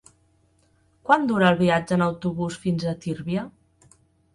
Quant dura el viatge en autobús fins a Tírvia?